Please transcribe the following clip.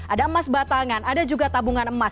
ada emas batangan ada juga tabungan emas